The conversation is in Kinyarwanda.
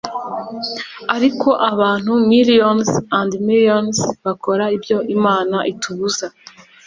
Ariko abantu millions and millions bakora ibyo imana itubuza